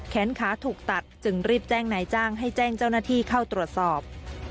ขาถูกตัดจึงรีบแจ้งนายจ้างให้แจ้งเจ้าหน้าที่เข้าตรวจสอบ